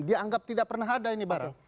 dianggap tidak pernah ada ini baru